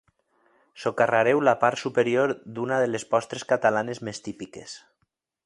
Socarrareu la part superior d'una les postres catalanes més típiques.